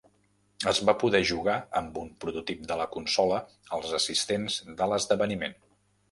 Es va poder jugar amb un prototip de la consola als assistents de l'esdeveniment.